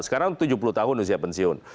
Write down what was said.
sekarang tujuh puluh tahun usia pensiun